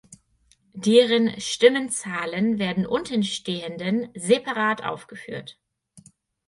Deren Stimmenzahlen werden untenstehenden separat aufgeführt.